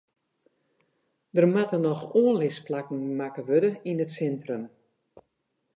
Der moatte noch oanlisplakken makke wurde yn it sintrum.